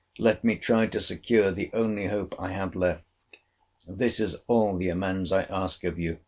Let me try to secure the only hope I have left. This is all the amends I ask of you.